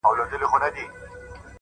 • زما دعا به درسره وي زرکلن سې,